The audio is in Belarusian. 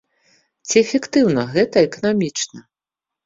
Ці эфектыўна гэта эканамічна?